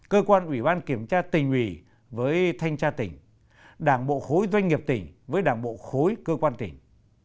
cơ quan ủy ban kiểm tra tỉnh ủy với thanh tra tỉnh đảng bộ khối doanh nghiệp tỉnh với đảng bộ khối cơ quan tỉnh